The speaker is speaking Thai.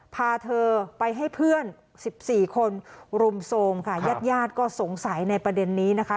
พาเธอไปให้เพื่อนสิบสี่คนรุมโทรมค่ะญาติญาติก็สงสัยในประเด็นนี้นะคะ